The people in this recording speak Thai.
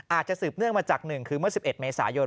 สืบเนื่องมาจาก๑คือเมื่อ๑๑เมษายน